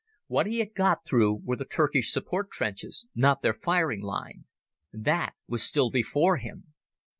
What he had got through were the Turkish support trenches, not their firing line. That was still before him.